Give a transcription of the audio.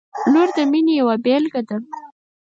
• لور د مینې یوه بېلګه ده.